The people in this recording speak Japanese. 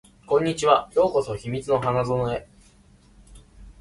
こんにちは。ようこそ秘密の花園へ